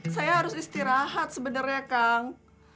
saya harus istirahat sebenarnya kang